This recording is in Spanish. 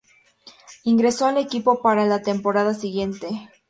Ingresó al equipo para la temporada siguiente.